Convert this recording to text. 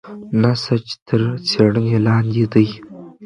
نسج تر څېړنې لاندې دی.